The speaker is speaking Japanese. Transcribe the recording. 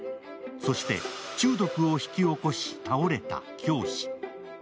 そして中毒を引き起こし倒れた教師。